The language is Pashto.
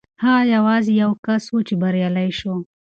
هغه یوازې یو کس و چې بریالی شو.